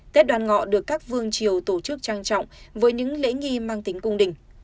tết đoàn ngọ được các vương triều tổ chức trang trọng với những lễ nghi mang tính cung đình